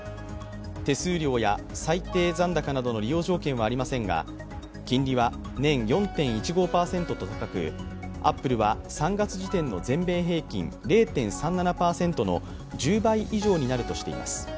手数料や最低残高などの利用条件はありませんが金利は年４．１５％と高くアップルは、３月時点の全米平均０．３７％の１０倍以上になるとしています。